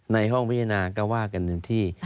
ในห้องพิจารณาก็ว่ากันหนึ่งที่